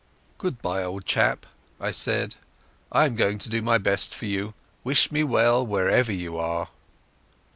"Goodbye, old chap," I said; "I am going to do my best for you. Wish me well, wherever you are."